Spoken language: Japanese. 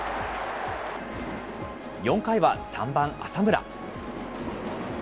４回は３番浅村。